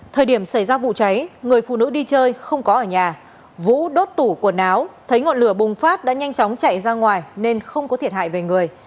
thời điểm xảy ra vụ cháy người phụ nữ đi chơi không có ở nhà vũ đốt tủ quần áo thấy ngọn lửa bùng phát đã nhanh chóng chạy ra ngoài nên không có thiệt hại về người